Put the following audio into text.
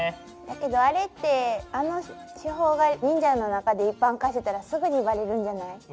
だけどあれってあの手法が忍者の中で一般化してたらすぐにバレるんじゃない？